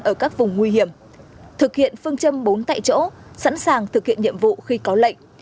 ở các vùng nguy hiểm thực hiện phương châm bốn tại chỗ sẵn sàng thực hiện nhiệm vụ khi có lệnh